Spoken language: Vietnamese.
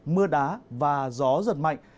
mưa đá và gió giật mạnh